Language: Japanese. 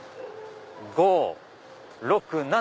５・６・７！